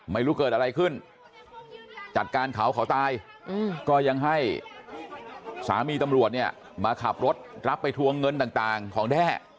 ไม่รู้เกิดอะไรขึ้นจัดการเขาเขาตายก็ยังให้สามีตำรวจเนี่ยมาขับรถรับไปทวงเงินต่างของแด้